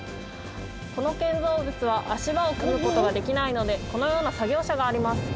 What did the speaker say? この建造物は足場を組むことができないのでこのような作業車があります